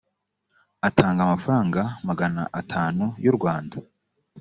atanga amafaranga magana atanu y’u rwanda